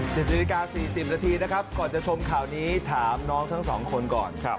๗นาฬิกา๔๐นาทีนะครับก่อนจะชมข่าวนี้ถามน้องทั้งสองคนก่อน